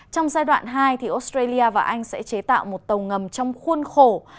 trong giai đoạn hai australia và anh sẽ chế tạo một tàu ngầm trong khuôn khổ